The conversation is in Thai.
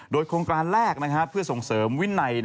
โดยโครงการแรกเพื่อส่งเสริมวินัย